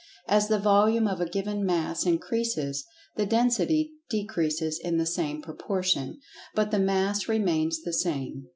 As the "volume" of a given "mass" increases, the "density" decreases in the same proportion—but the "mass" remains the same.